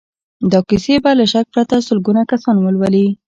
دا کيسې به له شک پرته سلګونه کسان ولولي.